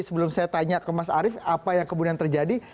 sebelum saya tanya ke mas arief apa yang kemudian terjadi